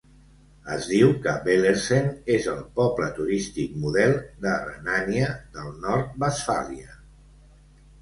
Es diu que Bellersen és el "Poble Turístic model de Renània del Nord-Westfàlia".